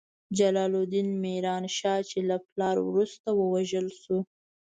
جلال الدین میران شاه، چې له پلار وروسته ووژل شو.